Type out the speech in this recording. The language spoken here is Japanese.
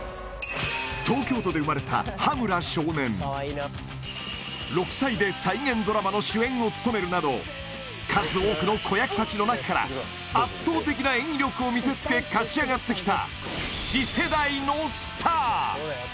東京都で生まれた羽村少年６歳で再現ドラマの主演を務めるなど数多くの子役達の中から圧倒的な演技力を見せつけ勝ち上がってきた